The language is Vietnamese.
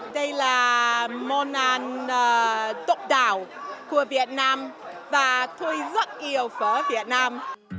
đây là món ăn độc đảo của việt nam và tôi rất yêu phở việt nam